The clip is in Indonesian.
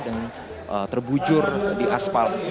dan terbujur di asfal